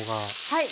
はい。